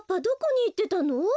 どこにいってたの？